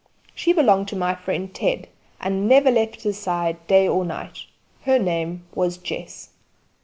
She belonged to my friend Ted, and never left his side day or night. Her name was Jess.